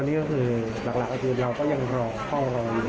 มันเป็นจบหมารอยน้ำมาแหละน่ะก็เลยต้องขับรถกลับมาตั้งต่างคือว่าใครเธอคิดแล้วก็